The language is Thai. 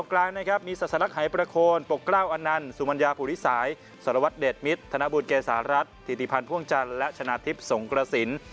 กลางนะครับมีศาสลักหายประโคนปกกล้าวอันนันต์สุมัญญาภูริสายสารวัตรเดชมิตรธนบุญเกษารัฐธิติพันธ์พ่วงจันทร์และชนะทิพย์สงกระสิน